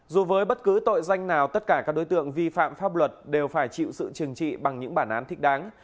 dù với bất cứ tội danh nào tất cả các đối tượng vi phạm pháp luật đều phải chịu sự trừng trị bằng những bản án thích đáng